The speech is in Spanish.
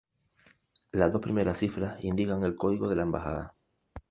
Las dos primeras cifras indican el código de la embajada.